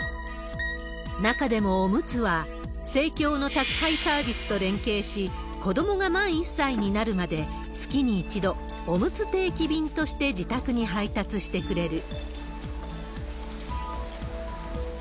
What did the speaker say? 中でもおむつは、生協の宅配サービスと連携し、子どもが満１歳までになるまで月に１度、おむつ定期便として自宅に配達してくれる。